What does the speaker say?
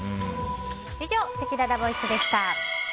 以上、せきららボイスでした。